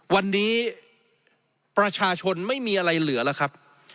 วันนี้ประชาชนไม่มีอะไรเหลือแล้วครับ